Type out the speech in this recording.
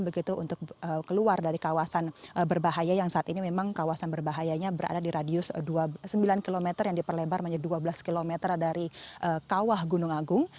begitu untuk keluar dari kawasan berbahaya yang saat ini memang kawasan berbahayanya berada di radius sembilan km yang diperlebar menjadi dua belas km dari kawah gunung agung